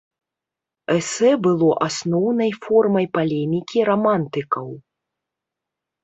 Эсэ было асноўнай формай палемікі рамантыкаў.